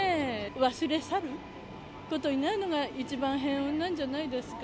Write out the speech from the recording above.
忘れ去ることになるのが一番平穏なんじゃないですか。